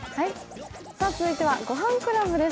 続いては、「ごはんクラブ」です。